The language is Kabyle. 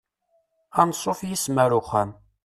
Ansuf yes-m ar uxxam.